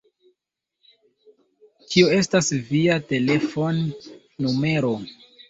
Kio estas via telefon-numero?